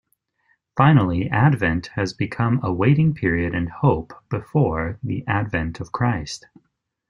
Finally, Advent has become a waiting period and hope before the advent of Christ.